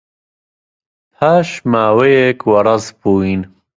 پاش ماوەیەک وەڕەس بووین.